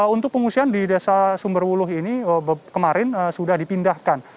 untuk pengungsian di desa sumberwuluh ini kemarin sudah dipindahkan